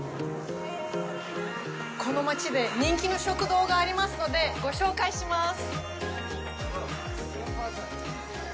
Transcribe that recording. この街で人気の食堂がありますのでご紹介します。